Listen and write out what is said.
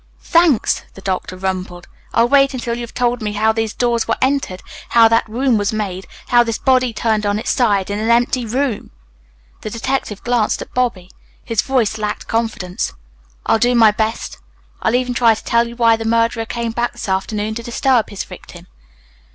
"Thanks," the doctor rumbled. "I'll wait until you've told me how these doors were entered, how that wound was made, how this body turned on its side in an empty room." The detective glanced at Bobby. His voice lacked confidence. "I'll do my best. I'll even try to tell you why the murderer came back this afternoon to disturb his victim."